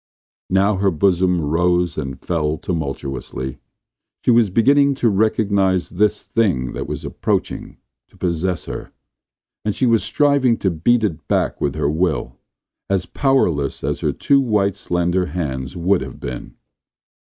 Now her bosom rose and fell tumultuously. She was beginning to recognize this thing that was approaching to possess her, and she was striving to beat it back with her will — as powerless as her two white slender hands would have been.